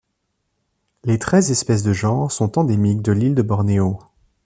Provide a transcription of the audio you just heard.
Les treize espèces de genre sont endémiques de l'île de Bornéo.